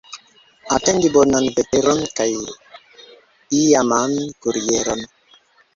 Atendi bonan veteron kaj laman kurieron.